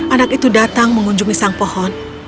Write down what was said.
anak itu datang mengunjungi sang pohon